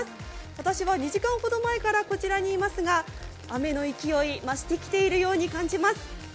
私は２時間ほど前から、こちらにいますが雨の勢い、増してきているように感じます。